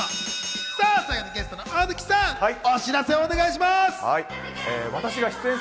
ゲストの大貫さん、お知らせお願いします。